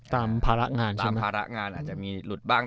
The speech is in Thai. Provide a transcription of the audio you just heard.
ตามภาระงานอาจจะมีหลุดบ้าง